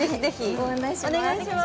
ご案内します